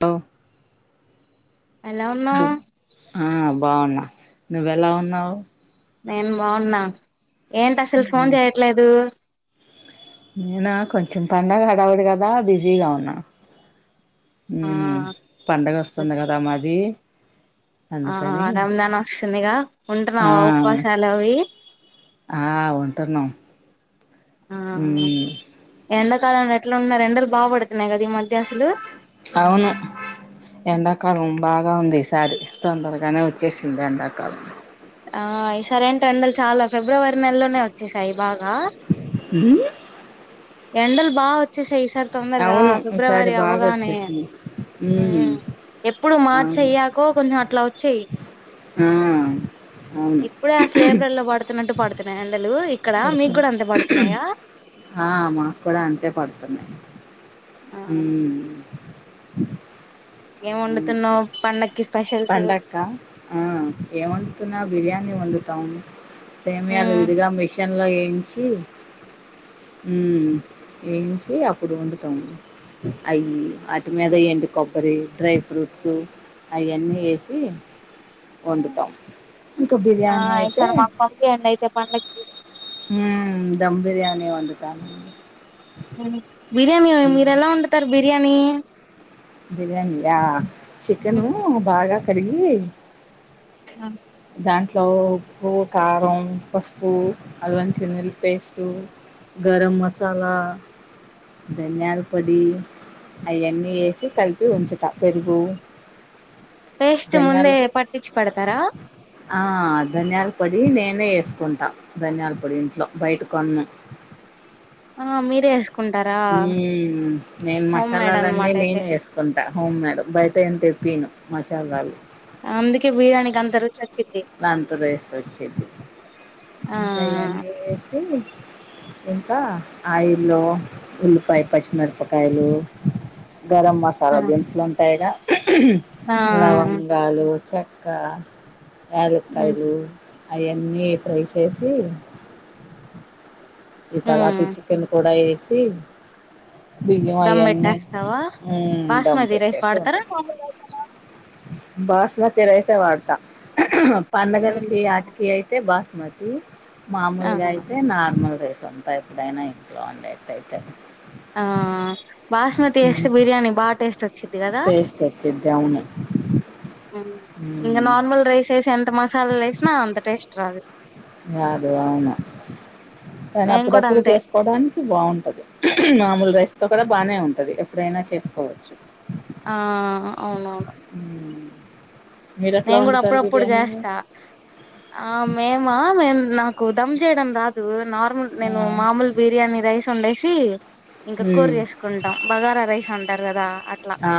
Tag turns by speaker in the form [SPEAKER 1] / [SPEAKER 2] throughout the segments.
[SPEAKER 1] తో
[SPEAKER 2] ఎలా ఉన్నావ్
[SPEAKER 1] ఆ బాగున్నా నువ్వెలా ఉన్నావు
[SPEAKER 2] నేను బాగున్నా ఏంటి అసలు ఫోన్ చేయట్లేదు
[SPEAKER 1] నేనా కొంచెం పండగ హడావుడి కదా బిజీగా ఉన్నా
[SPEAKER 2] ఆ
[SPEAKER 1] హ్మ్మ్ పండగ వస్తుంది కదా మాది
[SPEAKER 2] ఆ
[SPEAKER 1] అందుకని
[SPEAKER 2] రంజాన్ వస్తుందిగా
[SPEAKER 1] ఆ
[SPEAKER 2] ఉంటున్నావా ఉపవాసాలు అవి
[SPEAKER 1] ఆ ఉంటున్నాం హ్మ్మ్
[SPEAKER 2] కాలం ఆయన ఎట్లా ఉన్నారు ఎండలు బాగా కొడుతున్నాయి కదా ఈ మధ్య అసలు
[SPEAKER 1] అవును ఎండాకాలం బాగా ఉంది ఈ శారి తొందరగానే వచ్చేసింది ఎండాకాలం
[SPEAKER 2] ఆ ఈసారి ఏంటో ఎండలు చాలా ఫిబ్రవరి నెలలోనే వచ్చేసాయి బాగా
[SPEAKER 1] ఇ
[SPEAKER 2] ఎండలు బాగా వచ్చే సై ఒకసారి తొందరగా
[SPEAKER 1] అవును ఈసారి
[SPEAKER 2] ఫిబ్రవరి
[SPEAKER 1] బాగా
[SPEAKER 2] అవ్వగానే
[SPEAKER 1] వచ్చేసింది ఉమ్
[SPEAKER 2] ఎప్పుడు మార్చ
[SPEAKER 1] అవును
[SPEAKER 2] అయ్యాకో కొంచెం అట్లా వచ్చాయి
[SPEAKER 1] ఆ అవును
[SPEAKER 2] ఇప్పుడే ఆ స్లేపర్లో పడుతున్నట్టు పడుతున్నాయి ఎండలు ఇక్కడ మీకు కూడా అంతే పడుతున్నాయా
[SPEAKER 1] అ ఆ మాకు కూడా అంతే పడుతున్నాయి
[SPEAKER 2] ఆ
[SPEAKER 1] హ్మ్మ్
[SPEAKER 2] ఏం వండుతున్నావు పండక్కిస్త
[SPEAKER 1] పండక్క ఆ ఏం వండుతున్నావ్ బిర్యానీి వండు తాను సేమ అల
[SPEAKER 2] మ్మ్
[SPEAKER 1] ఇదిగా అ వేంచి అప్పుడు వండుతాం అయి వాటి మీద ఎండు కొబ్బరి డ్రై ఫ్రూట్స్ అయి అన్నీ ఏసి వండుతాం ఇకా
[SPEAKER 2] ఆ
[SPEAKER 1] బిర్యానీయితే
[SPEAKER 2] ఈసారి మాకు పంపియండి అయితే పండక్కి
[SPEAKER 1] హ దమ్ బిర్యాణి వండుతా అని
[SPEAKER 2] బిర్యాని మీరు ఎలా వండుతారు బి ఏమీ
[SPEAKER 1] బిర్యానీ ఆ చికెను బాగా కడిగి
[SPEAKER 2] ఆ
[SPEAKER 1] దాంట్లో ఉప్పు కారం పసుపు అల్లం చిన్న ఉల్లి పేస్టు గరం మసాలా ధనియాల పొడి అయన్నీ వేసి కలిపి వుంచుతా పెరుగు
[SPEAKER 2] పేస్ట్
[SPEAKER 1] ధనియాల
[SPEAKER 2] ముందే పట్టించి పెడతారా
[SPEAKER 1] ఆ ధనియాల పొడి నేనే చేసుకుంటా ధనియాల పొడి ఇంట్లో బయట కొనను
[SPEAKER 2] ఆ మీరే చేసు
[SPEAKER 1] ఉమ్ నేను
[SPEAKER 2] హోమ్ మేడ్
[SPEAKER 1] మసాలాలన్నీ
[SPEAKER 2] అనమాట అయితే
[SPEAKER 1] నేను చేసుకుంటా అవును మేడం బయట ఏం తెప్పియ్యను మసాలాలు
[SPEAKER 2] అందుకే బిర్యానికి అంత రుచి అచి
[SPEAKER 1] అంత టేస్ట్ వచ్చిద్ది
[SPEAKER 2] ఆ
[SPEAKER 1] ఇంకాయన్నీ ఏసీ ఇంకా ఆయిల్లో ఉల్లిపాయ పచ్చిమిరపకాయలు గరం
[SPEAKER 2] ఆ
[SPEAKER 1] మసాలా దినుసులు ఉంటాయిగా
[SPEAKER 2] ఆ
[SPEAKER 1] లవంగాలు చెక్క
[SPEAKER 2] మ్మ్
[SPEAKER 1] యలక్కాయిలు అయి అన్నీ ఫ్రై చేసి ఈ తర్వాతి
[SPEAKER 2] మ్మ్
[SPEAKER 1] చికెన్ కూడా వేసి బియ్యం
[SPEAKER 2] దమ్
[SPEAKER 1] అయన్నీ
[SPEAKER 2] పెట్టేస్తావ
[SPEAKER 1] ఉమ్ దమ్
[SPEAKER 2] బాస్మతి రైస్
[SPEAKER 1] పెట్టేసి
[SPEAKER 2] వాడతార
[SPEAKER 1] ఉంటాం
[SPEAKER 2] మామూలు రైస్ ఏనా
[SPEAKER 1] బాస్మతి రైస్ ఏ వాడతా
[SPEAKER 2] మ్మ్
[SPEAKER 1] పండగలకి ఆటికి అయితే బాస్ మతి
[SPEAKER 2] ఆ
[SPEAKER 1] మామూలుగా అయితే నార్మల్ రైస్ సొంత ఎప్పుడైనా ఇంట్లో ఉండట్టయితే
[SPEAKER 2] ఆ బాస్మతి వేస్తే బిర్యానీ బాగా టేస్ట్ వచ్చిద్ది కదా
[SPEAKER 1] టేస్ట్ వచ్చిద్ది అవును
[SPEAKER 2] ఇంగ
[SPEAKER 1] ఉమ్
[SPEAKER 2] నార్మల్ రైస్ ఏ ఎంత మసాల లే వేసినా అంత టేస్ట్ రాదు
[SPEAKER 1] అదే అవును కాని
[SPEAKER 2] మేము కూడా
[SPEAKER 1] అప్పుడప్పుడు
[SPEAKER 2] అంతే
[SPEAKER 1] చేసుకోడానికి బాగుంటది మామూలుగా సుకో కూడా బాగానే ఉంటది ఎప్పుడైనా చేసుకోవచ్చు
[SPEAKER 2] ఆ అవునవును
[SPEAKER 1] మ్మ్. మీరు ఎట్లా
[SPEAKER 2] నేను కూడా
[SPEAKER 1] వండుతారు
[SPEAKER 2] అప్పుడప్పుడు
[SPEAKER 1] బిర్యానీ
[SPEAKER 2] చేస్తా ఆ మేమా మేము నాకు దమ్ జేయడం రాదు నార్మల్
[SPEAKER 1] ఆ,
[SPEAKER 2] నేను మామూలు బిర్యానీ రైస్ సండేసి ఇంకా కూర
[SPEAKER 1] మ్మ్.
[SPEAKER 2] చేేసుకుంటాం బగారా రైస్ తర్రదా
[SPEAKER 1] ఆ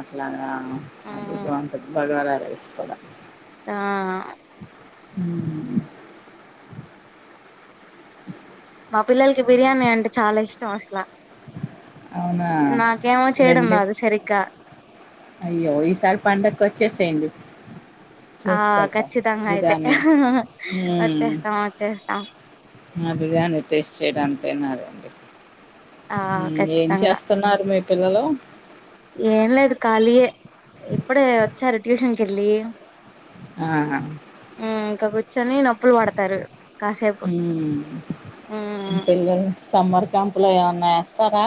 [SPEAKER 1] అట్లాగా అది
[SPEAKER 2] ఉమ్
[SPEAKER 1] బాగుంటాది భగవా రే స
[SPEAKER 2] ఆ
[SPEAKER 1] హమ్
[SPEAKER 2] మా పిల్లలకి బిర్యానీ అంటే చాలా ఇష్టం అసలా
[SPEAKER 1] అవునా
[SPEAKER 2] నాక ఏమో చేయడంద
[SPEAKER 1] రండి
[SPEAKER 2] అద సరికా
[SPEAKER 1] అయ్యో ఈసారి పండగకు వచ్చి థ్యాం యయు
[SPEAKER 2] ఆ ఖచ్చితంగా అయితే హహహ
[SPEAKER 1] మ్మ్.
[SPEAKER 2] వచ్చేస్తాం వచ్చేస్తాం
[SPEAKER 1] బిర్యానీ టేస్ట్ చేయడాంటే అేడి
[SPEAKER 2] ఆ
[SPEAKER 1] ఏం
[SPEAKER 2] ఖచ్చితంగా
[SPEAKER 1] చేస్తున్నారు మీ పిల్లలు
[SPEAKER 2] ఏం లేదు కలియే ఇపుడే వచ్చారు ట్యూషన్ కు ఎల్లి
[SPEAKER 1] ఆ,
[SPEAKER 2] హమ్ ఇంకా కూర్చొని నొప్పులు పడతారు కాసేపు
[SPEAKER 1] మ్మ్.
[SPEAKER 2] హమ్
[SPEAKER 1] కంపులో ఏమన్నా వస్తారా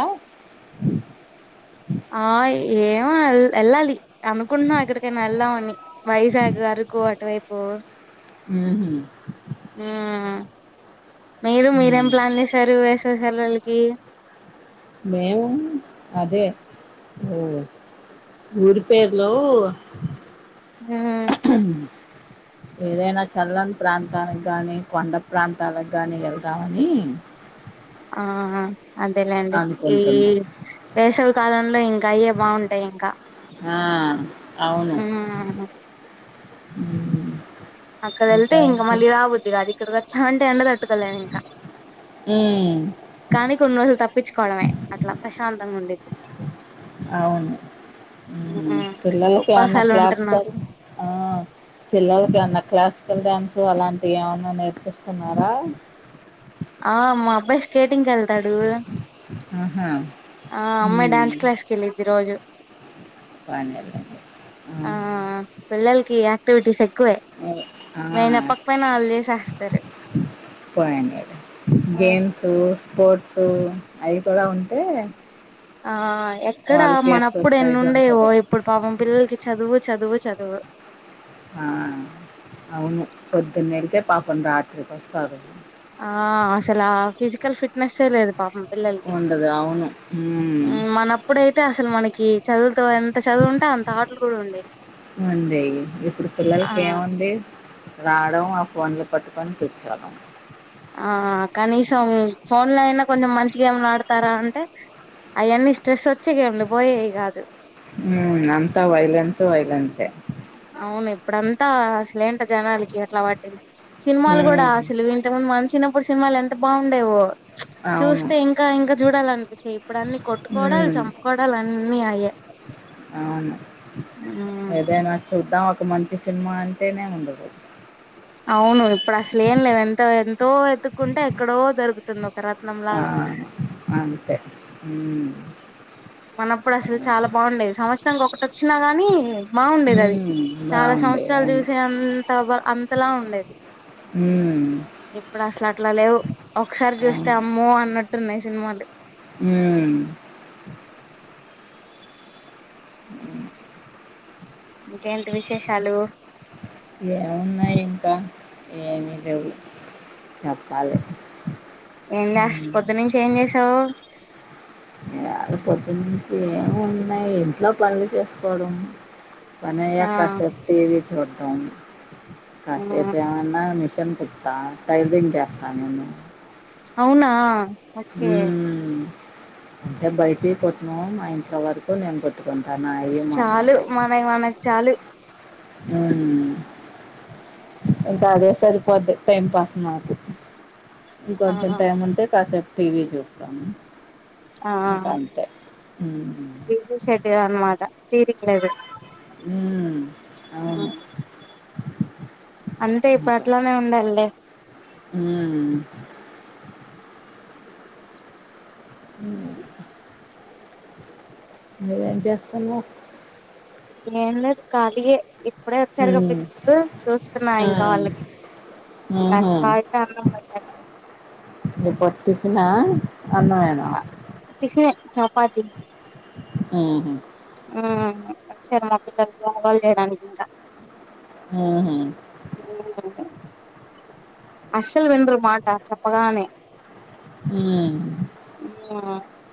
[SPEAKER 2] ఆ ఏమల్ ఎల్లాలి అనుకుంటునం అక్కడికైనా వెళ్దామని వైజాగ్ అరకు అటువైపు
[SPEAKER 1] ఉహు
[SPEAKER 2] హమ్ మీరు మీరేం
[SPEAKER 1] ఉమ్,
[SPEAKER 2] ప్లాన్ చేశారు సెలవలకి
[SPEAKER 1] మేము అదే ఊరి పేరులో హ్మిహ ఏదైనా చల్లం ప్రాంతానికి కానీ కొండ ప్రాంతాలకు కానీ వెళ్దామని
[SPEAKER 2] ఆ అదేలేండి ఈ
[SPEAKER 1] అనుకుంటున్నాం
[SPEAKER 2] వేసవి కాలంలో ఇంకా అయ్యే బాగుంటాయి ఇంకా
[SPEAKER 1] ఆ అవును హమ్
[SPEAKER 2] అక్కడ వెళ్తే ఇంకా మళ్ళీ రాబుద్ధి కాది ఇక్కడికి అంటే ఎండ తట్టుకోలేము ఇంకా
[SPEAKER 1] ఉమ్,
[SPEAKER 2] కానీ కొని రోజులు చప్పించుకోవడమే అట్లా ప్రశాంతంగా ఉందిద్ది
[SPEAKER 1] అవును పిల్లలకి ఏమన్నా
[SPEAKER 2] ఉపవాసాలు
[SPEAKER 1] క్లాసు
[SPEAKER 2] ఉంటున్నా
[SPEAKER 1] క పిల్లలకి ఏమన్నా క్లాస్ డ్యాన్సు అలాంటివి ఏమన్నా నేర్పిస్తున్నారా
[SPEAKER 2] ఆ మా అబ్బాయి స్కేటింగ్ ఎల్తాడు
[SPEAKER 1] ఆహా
[SPEAKER 2] ఆ అమ్మాయి డ్యాన్స్
[SPEAKER 1] హ్మ్.
[SPEAKER 2] క్లాస్కి వెళ్ళిద్ది రోజు
[SPEAKER 1] బానేళ్ళింది.
[SPEAKER 2] ఆ పిల్లలకి బ్యూటీ సెట్ తక్కువే
[SPEAKER 1] అదే. ఆ!
[SPEAKER 2] నేను చెప్పకపోయినా వాళ్ళు చేసేస్తారు
[SPEAKER 1] గేమ్సూ స్పోర్ట్స్ సు అవి కూడా ఉంటే
[SPEAKER 2] ఆ ఎక్కడ
[SPEAKER 1] వాళ్ళకి
[SPEAKER 2] మనప్పుడు ఎన్ని
[SPEAKER 1] ఎక్సర్సైజ్
[SPEAKER 2] ఉండేవో
[SPEAKER 1] ఉంటది.
[SPEAKER 2] ఇప్పుడు పాపం పిల్లలకి చదువు చదువు చదువు ఆ
[SPEAKER 1] ఆ అవును పొద్దున్న వెళ్తే పాప ప రాత్రికి వస్తారు
[SPEAKER 2] ఆ అసలు ఆ ఫిజికల్ ఫిట్నెస్సే లేదు పాపం పిల్లలకి
[SPEAKER 1] ఉండదు. అవును. హ్మ్.
[SPEAKER 2] మనప్పుడైతే అసలు మనకి చదువుతో ఎంత చదువు ఉంటే అంత ఆటలు కూడా ఉండేవి
[SPEAKER 1] ఉండేయి. ఇప్పుడు
[SPEAKER 2] ఆ
[SPEAKER 1] పిల్లలకేముంది? రావడం ఆ ఫోన్లు పట్టుకొని కూర్చోడం
[SPEAKER 2] ఆ కనీసం ఫోన్ లో అయినా కొంచెం మంచి గేమ్లు ఆడతారా అంటే అవన్నీ స్ట్రెస్ వచ్చే గేమ్లు పోయేవి కాదు
[SPEAKER 1] మ్మ్ అంతా వైలెన్స్ వయోలెన్స్ ఐ
[SPEAKER 2] అవును ఇప్పుడంతా అసలేంటర్ జనాలకి అట్లా పట్టింది సినిమాలు కూడా
[SPEAKER 1] హ్మ్.
[SPEAKER 2] అసలు ఇంతక ముందు మనం చిన్నపుడు సినిమాలు ఎంత బావుండేవో
[SPEAKER 1] అవును.
[SPEAKER 2] చూస్తే ఇంకా ఇంకా చూడాల అనిపించే ఇప్పుడు అన్నిీ కొట్టుకోవడాలు
[SPEAKER 1] హ్మ్.
[SPEAKER 2] చంపుకోవడాాల అన్నిీ అయ్యే
[SPEAKER 1] అవును ఏదైనా చూద్దాం ఒక మంచి సినిమా అంటేనే ఉండదు
[SPEAKER 2] అవును ఇప్పుడు అసలు ఏం లేవు ఎంత ఎంతో ఎత్తుక్కుంటే ఎక్కడో దొరుకుతుంది ఒక రత్నం
[SPEAKER 1] ఆ
[SPEAKER 2] లాగా
[SPEAKER 1] అంతే మ్మ్
[SPEAKER 2] మనప్పుడు అసలు చాలా బాగుండేది సంవచ్ ఒకటి వచ్చినా గాని బాగుండేది అది
[SPEAKER 1] హ్మ్.
[SPEAKER 2] చాలా
[SPEAKER 1] బావుంది.
[SPEAKER 2] సంవత్సరాలు
[SPEAKER 1] అవును.
[SPEAKER 2] చూసే అంత బా అలా ఉండేది ఇప్పుడు అసలు
[SPEAKER 1] మ్
[SPEAKER 2] అట్లా లేవు ఒకసారి చూస్తే అమ్మో అన్నట్టున్నాయి సినిమాలు
[SPEAKER 1] మ్
[SPEAKER 2] ఇంకేంటి విశేషాలు
[SPEAKER 1] ఏమున్నాయి ఇంకా ఏమిీ లేవు చెప్పాలి
[SPEAKER 2] ఏం చే
[SPEAKER 1] హ్మ్.
[SPEAKER 2] పొద్దు నుంచి ఏం చేసావు
[SPEAKER 1] ఇయాళ పొద్దు నుంచి ఏమి ఉన్నాయి ఇంట్లో పనులు చేసుకోవడం పని
[SPEAKER 2] ఆ
[SPEAKER 1] అయ్యాక కాసేపు టివి జోర్డన్ కాసేపు ఎమన్నా మి షన్ కుతా టైలరింగ్ చేస్తా నేను
[SPEAKER 2] అవునా ఓకే
[SPEAKER 1] మ్ అంటే బయటి కొట్న్నాము మా ఇంట్ వరకు నేను కొ
[SPEAKER 2] చాలు మనయ్ మన చాలు
[SPEAKER 1] మ్ ఇంకా అదే సరిపోద్ది టైం పాస్ నాకు ఇ
[SPEAKER 2] ఆ
[SPEAKER 1] కొంచెం టైమ్ ఉంటె కాసేపు టీవీ చూస్తాము
[SPEAKER 2] ఆ విజ శెటి అనుమాట
[SPEAKER 1] మ్ అవును
[SPEAKER 2] అంతే ఇప్పట్లోనే ఉండాలి లే
[SPEAKER 1] మ్ ఎం చేస్తున్నావ్
[SPEAKER 2] ఏం లేదు కాలేయే ఇప్పుడే వచ్చారు
[SPEAKER 1] మ్మ్
[SPEAKER 2] పిల్లలు చూస్తున్నా, ఇంకా వాళ్ళకి ఇంకాస
[SPEAKER 1] ఆహా
[SPEAKER 2] ఆగితే అన్నం పది
[SPEAKER 1] అన్న వేనా
[SPEAKER 2] పాతి
[SPEAKER 1] ఆ
[SPEAKER 2] మ్ వచ్చారు మా పిల్లలు వాలు చేయడానికి ఇంకా
[SPEAKER 1] మ్ హు
[SPEAKER 2] అసల్ వినర్ మాట చెప్పగానేే
[SPEAKER 1] మ్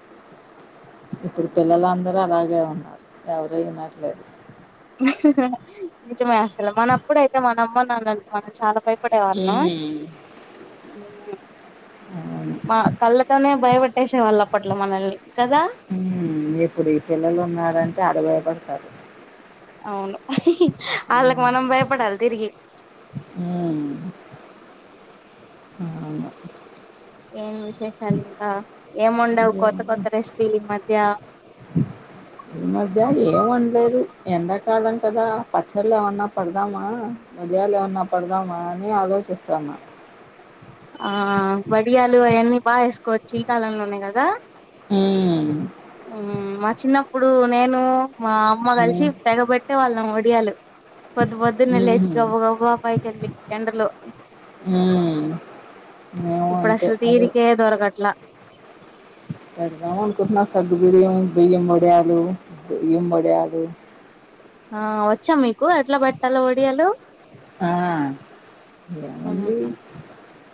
[SPEAKER 1] ఇప్పుడు పిల్లలందరూ అలాగే ఉన్నారు ఎవరూ ఇనట్లేదు
[SPEAKER 2] నిజమే అసలు మన అప్పుడ అయితే మన అమ్మ నాన్న మనం చాలా ప ప్పుడే వాళ్ళం
[SPEAKER 1] హ్మ్. అవును.
[SPEAKER 2] మ్మ్ కట్టేసే వాళ్ళు అప్పట్లో మనల్ని కదా
[SPEAKER 1] మ్మ్ ఇప్పుడు ఈ పిల్లలు ఉన్నారంటే అడగుయపడతారు
[SPEAKER 2] అవును వాళ్ళకి మనం భయపడాలి తిరిగి
[SPEAKER 1] మ్మ్
[SPEAKER 2] ఏం విశేషాలు ఇంకా ఏం ఉండవు కొత్త
[SPEAKER 1] ఇదేంది
[SPEAKER 2] కొత్త రెసిపీలు ఈ మధ్య
[SPEAKER 1] ఈ మధ్య ఏం వండలేదు ఎండాకాలం కదా పచ్చళ్ళు ఏమన్నా పడదామా వడియాలు ఏమన్నా పడదామా అని ఆలోచిస్తున్నా
[SPEAKER 2] ఆ వడియాలు అవన్నీ బాగా వేసుకోవచ్చు ఈ కాలంలోనే కదా
[SPEAKER 1] మ్మ్
[SPEAKER 2] మ్మ్ మా చిన్నప్పుడు నేను మా అమ్మ కలిసి
[SPEAKER 1] హ్మ్.
[SPEAKER 2] తెగబట్టే వాళ్ళం ఒడియాలు పొద్దు పొద్దున్న లేచి
[SPEAKER 1] హుహు.
[SPEAKER 2] గబ్బ గబ్బ పైకి వెళ్ళి ఎండలో
[SPEAKER 1] హ్మ్. మేము
[SPEAKER 2] ఇప్పుడు
[SPEAKER 1] అంతే
[SPEAKER 2] అసలు తీరికే దొరకట్లా
[SPEAKER 1] పెడదామ అనుకుంటున్నా సగ్గుగుడి ఏ బియ్యం వడయాలు బియ్యం వడియాలు
[SPEAKER 2] ఆ వచ్చా మీకు ఎట్లా బెట్టాలో ఒడియాలు
[SPEAKER 1] ఆ
[SPEAKER 2] మ్మ్
[SPEAKER 1] ఏముంది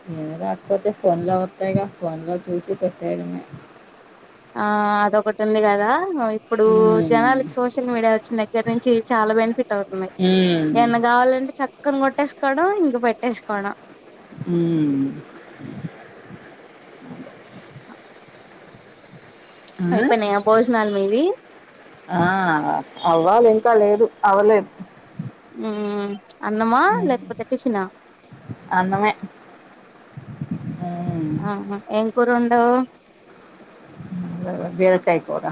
[SPEAKER 1] ఏమి రాకపోతే ఫోన్ లో వత్తాయిగా ఫోన్ లో చూసి పెట్టేయడమే
[SPEAKER 2] ఆ అదొకటి ఉంది గాదా ఇప్పుడు
[SPEAKER 1] ఉమ్,
[SPEAKER 2] జనాలకి సోషల్ మీడియా వచ్చిన దగ్గర నుంచి చాలా బెనిఫిట్ అవుతున్నాయి
[SPEAKER 1] ఉమ్,
[SPEAKER 2] ఎన్న కావాలంటే చక్క క్కన కొట్టేసుకోవడం ఇంక పెట్టేసుకోవడం
[SPEAKER 1] మ్మ్ అదే
[SPEAKER 2] అ భోజనాలు మీవి
[SPEAKER 1] ఆ ఆ అవ్వాలి ఇంకా లేదు అవలే
[SPEAKER 2] మ్మ్ అన్నమా
[SPEAKER 1] ఉమ్,
[SPEAKER 2] లేకపోతే టిఫిన్ ఆ
[SPEAKER 1] అన్నమే ఉమ్,
[SPEAKER 2] ఏం కూర వండావ్
[SPEAKER 1] బీరకాయ కూర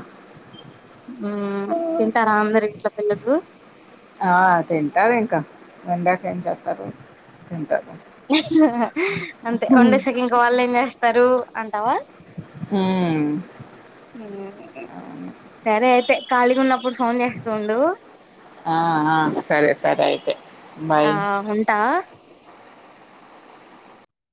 [SPEAKER 2] మ్మ్ తింటారా అందరు ఇంట్లో పిల్లలు
[SPEAKER 1] ఆ తింటారు ఇంకా వోంద్యకా ఏం చేస్తారు తిన్న
[SPEAKER 2] అంతే
[SPEAKER 1] ఉమ్,
[SPEAKER 2] ఒండేసాకి ఇంకా వళ్ళం జాస్తతి స్తారు అంటావా మ్మ్ సరే అయితే కాలి గా ఉన్నపుడు
[SPEAKER 1] ఆ ఆ సరే సరే అయితే బాయ్
[SPEAKER 2] ఆ ఉంటా